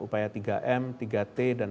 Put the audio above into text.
upaya tiga m tiga t dan